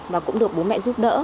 và cũng được bố mẹ giúp đỡ